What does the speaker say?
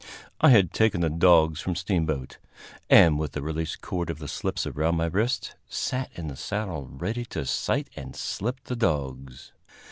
I had taken the dogs from Steamboat, and, with the release cord of the slips around my wrist, sat in the saddle ready to sight and slip the dogs.